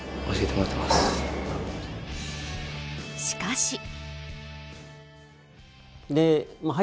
しかし。